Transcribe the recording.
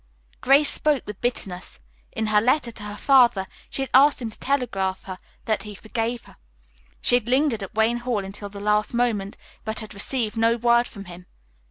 Grace spoke with bitterness. In her letter to her father she had asked him to telegraph her that he forgave her. She had lingered at Wayne Hall until the last moment, but had received no word from him.